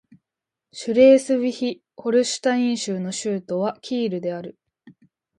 シュレースヴィヒ＝ホルシュタイン州の州都はキールである